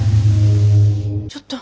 ちょっと。